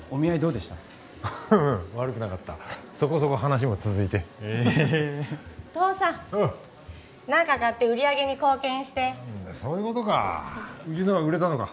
うん悪くなかったそこそこ話も続いてえっお父さんおう何か買って売り上げに貢献して何だそういうことかうちのは売れたのか？